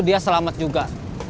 dia selamat juga